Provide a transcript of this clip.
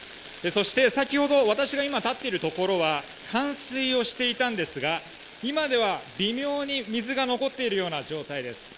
そして先ほど私が今立っているところは冠水をしていたんですが今では微妙に水が残っている状態です。